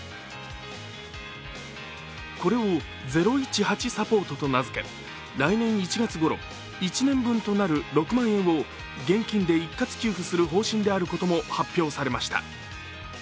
これを０１８サポートと名付け来年１月ごろ、１年分となる６万円を現金で一括給付する方針であることも発表されました。